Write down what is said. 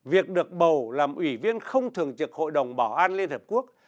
việc được bầu làm ủy viên không thường trực hội đồng bảo an liên hợp quốc